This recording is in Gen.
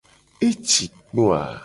Eci kpo a?